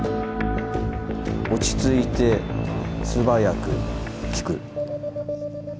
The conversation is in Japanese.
落ち着いて素早く聞く。